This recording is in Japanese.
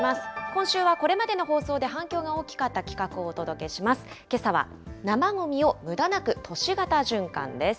今週はこれまでの放送で反響が大きかった企画をお届けします。